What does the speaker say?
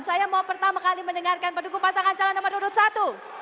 saya mau pertama kali mendengarkan pendukung pasangan calon nomor urut satu